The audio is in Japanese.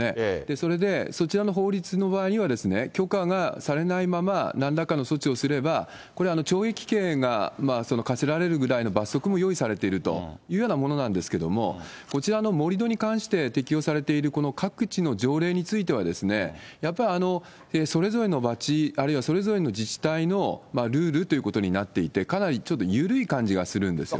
それで、そちらの法律の場合には、許可がされないまま、なんらかの措置をすれば、これは懲役刑が科せられるぐらいの罰則も用意されているというようなものなんですけれども、こちらの盛り土に関して適用されているこの各地の条例については、やっぱそれぞれの町、あるいはそれぞれの自治体のルールということになっていて、かなりちょっと緩い感じがするんですよね。